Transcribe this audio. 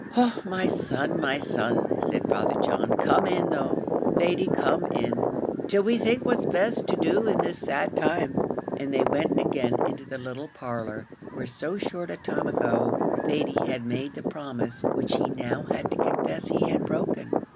"Oh my son, my son!" said Father John. "Come in though, Thady, come in till we think what's best to do in this sad time;" and they went again into the little parlour, where so short a time ago Thady had made the promise which he now had to confess he had broken.